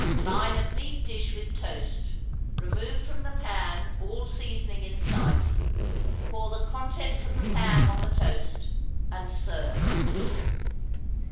Line a deep dish with toast, remove from the pan all seasoning in sight, pour the contents of the pan on the toast, and serve.